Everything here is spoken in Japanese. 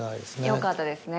よかったですね